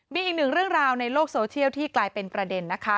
มีอีกหนึ่งเรื่องราวในโลกโซเชียลที่กลายเป็นประเด็นนะคะ